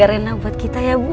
allah jaga rena buat kita ya bu ya